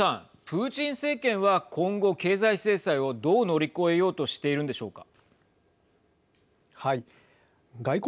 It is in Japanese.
プーチン政権は今後、経済制裁をどう乗り越えようとしてるんでしょうか。